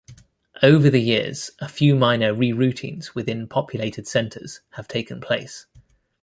Over the years a few minor reroutings within populated centers have taken place.